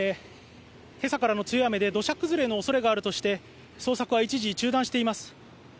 今朝からの強い雨で土砂崩れのおそれがあるとして捜索は一時中断しています。